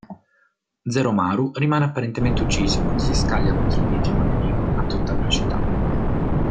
Zeromaru rimane apparentemente ucciso quando si scaglia contro il Digimon nemico a tutta velocità.